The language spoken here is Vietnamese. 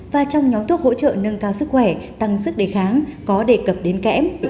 và trong nhóm thuốc hỗ trợ nâng cao sức khỏe tăng sức đề kháng có đề cập đến kẽm